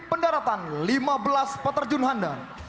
pendaratan lima belas peterjun handan